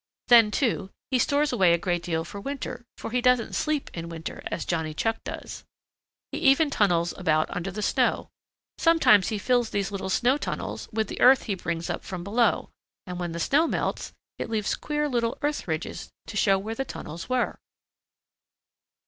Then, too, he stores away a great deal for winter, for he doesn't sleep in winter as Johnny Chuck does. He even tunnels about under the snow. Sometimes he fills these little snow tunnels with the earth he brings up from below, and when the snow melts it leaves queer little earth ridges to show where the tunnels were.